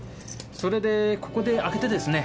それでここで開けてですね